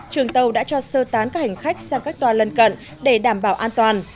trường tàu đã cho sơ tán các hành khách sang các toa lân cận để đảm bảo an toàn